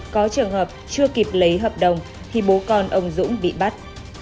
có trường hợp chưa kịp lấy hợp đồng thì bố con ông dũng bị bắt